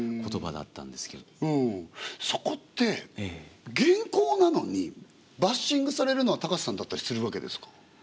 そこって原稿なのにバッシングされるのは高瀬さんだったりするわけですか？